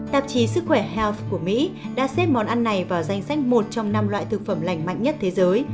tạp chí sức khỏe health của mỹ đã xếp món ăn này vào danh sách một trong năm loại thực phẩm lành mạnh nhất thế giới